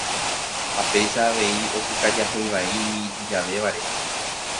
ha péicha avei opuka jahéi vai umi itujavéva rehe.